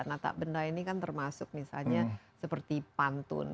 nah tak benda ini kan termasuk misalnya seperti pantun